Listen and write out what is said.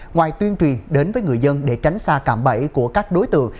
ngoài tuyên truyền đến với người dân để tránh xa cạm bẫy của các đối tượng